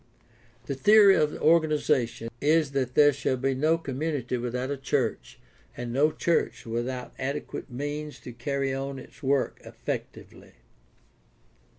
The theory of the organization is that there shall be no community without a church and no church without adequate means to carry on its work effectively.